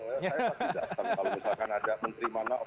kalau misalkan ada menteri mana